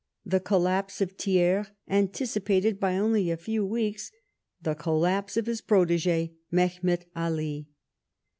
The collapse of Thiers anticipated by only a few weeks the collapse of his protege Mehemet Ali.